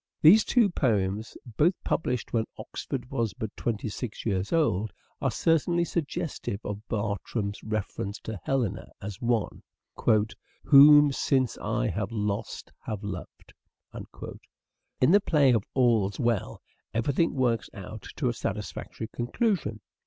These two poems, both published when Oxford was but twenty six years old, are certainly suggestive of Bertram's reference to Helena as one " whom since I have lost have loved." In the play of "All's Well," everything works out to a satisfactory conclusion.